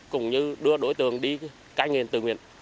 cũng như đưa đối tượng đi cai nghiền từ nguyện